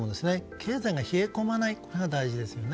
経済が冷え込まないかが大事ですよね。